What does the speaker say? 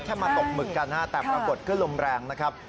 มาตกหมึกกันนะฮะแต่ปรากฏขึ้นลมแรงนะครับ